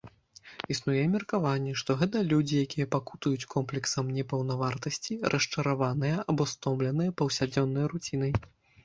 Існуе меркаванне, што гэта людзі, якія пакутуюць комплексам непаўнавартаснасці, расчараваныя або стомленыя паўсядзённай руцінай.